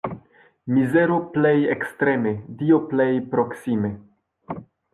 Mizero plej ekstreme, Dio plej proksime.